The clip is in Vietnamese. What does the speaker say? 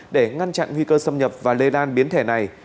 để ngăn chặn nguy cơ xâm nhập và lây lan biến thể này